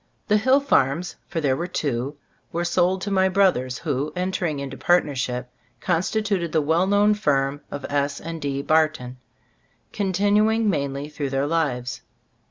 The hill farms — for there were two — were sold to my brothers, who, en tering into partnership, constituted the well known firm of S. & D. Barton, continuing mainly through their lives.